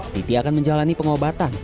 titi akan menjalani pengobatan